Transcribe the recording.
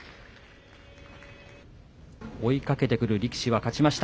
追いかけてくる力士は勝ちました。